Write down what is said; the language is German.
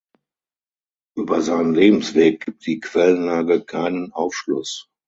Über seinen Lebensweg gibt die Quellenlage keinen Aufschluss.